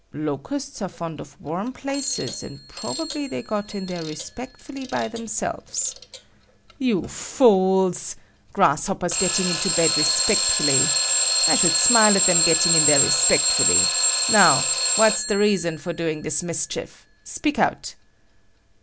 "Locusts are fond of warm places and probably they got in there respectfully by themselves." "You fools! Grasshoppers getting into bed respectfully! I should smile at them getting in there respectfully! Now, what's the reason for doing this mischief? Speak out."